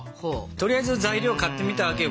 とりあえず材料買ってみたわけよ。